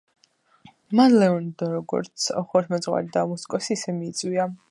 მან ლეონარდო, როგორც ხუროთმოძღვარი და მუსიკოსი, ისე მიიწვია.